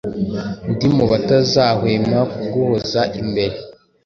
Ndi mu batazahwema kuguhoza iMbere